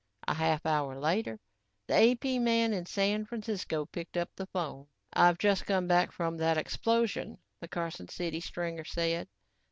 A half hour later, the AP man in San Francisco picked up the phone. "I've just come back from that explosion," the Carson City stringer said.